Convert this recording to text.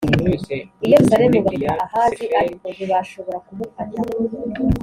i Yerusalemu bagota Ahazi ariko ntibashobora kumufata